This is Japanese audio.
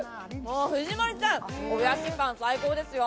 藤森さん、おやきパン最高ですよ。